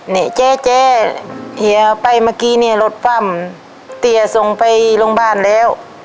เนี่ยแจ๊ะเหยี๊ยไปเมื่อกี้เนี่ยรถฝ้ำเตียงส่งไปโรงพยาบาลแล้ว